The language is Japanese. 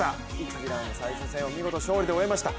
１次ラウンド最終戦を見事勝利で終えました。